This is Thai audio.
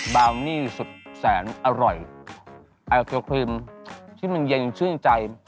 บาวนี่สุดแสนอร่อยไอศครีมที่มันเย็นชื่นใจ